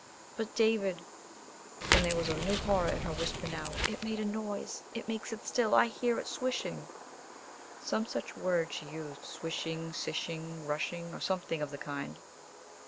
"But, David," and there was a new horror in her whisper now "it made a noise. It makes it still. I hear it swishing." Some such word she used swishing, sishing, rushing, or something of the kind.